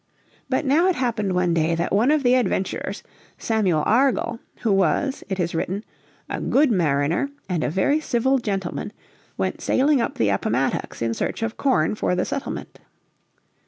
But now it happened one day that one of the adventurers, Samuel Argall, who was, it is written, "a good Marriner, and a very civil gentleman," went sailing up the Appomattox in search of corn for the settlement.